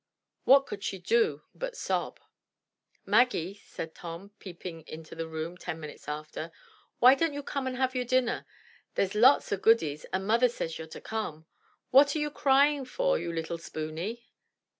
What could she do but sob? "Maggie,*' said Tom, peeping into the room ten minutes after, "why don't you come and have your dinner? There's lots o' goodies and mother says you're to come. What are you crying for, you little spooney?"